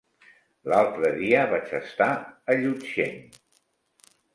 L'altre dia vaig estar a Llutxent.